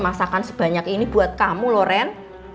masakan sebanyak ini buat kamu loh ren